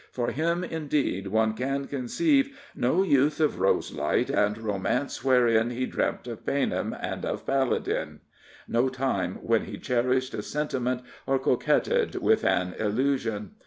For him, indeed, one can conceive no youth of roselight and romance wherein He dreamt of paynim and of paladin — no time when he cherished a sentiment or coquetted with an illusion.